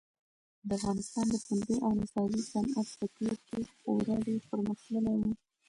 د افغانستان د پنبې او نساجي صنعت په تېر کې خورا ډېر پرمختللی و.